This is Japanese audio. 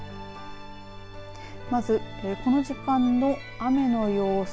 まずこの時間の雨の様子。